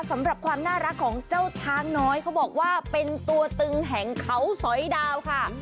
สำหรับความน่ารักของเจ้าช้างน้อยเขาบอกว่าเป็นตัวตึงแห่งเขาสอยดาวค่ะ